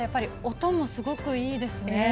音もすごくいいですね。